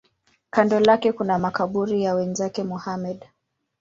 Kando lake kuna makaburi ya wenzake Muhammad.